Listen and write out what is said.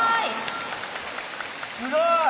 すごーい！